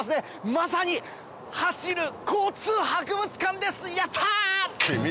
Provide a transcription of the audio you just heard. まさに「走る交通博物館」ですやった！